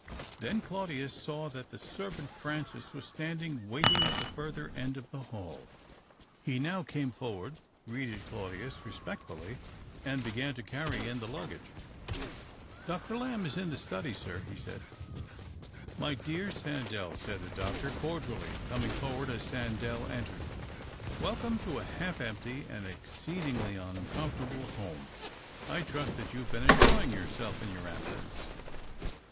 Then Claudius saw that the servant Francis was standing waiting at the further end of the hall. 312 THE OCTAVE UF CLAUDTUS. He now came forward, greeted Claudius respectfully, and hegan to carry in the luggage. " Dr. Lamb is in the study, sir," he said. " My dear Sandell,"said the doctor, cordially, coming forward as Sandell entered, "welcome to a half empty and exceedingly uncomfortable home. I trust that you have been enjoying yourself in your absence."